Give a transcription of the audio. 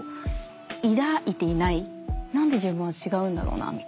何で自分は違うんだろうなみたいな。